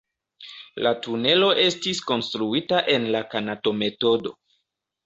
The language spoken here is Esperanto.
La tunelo estis konstruita en la Kanato-metodo.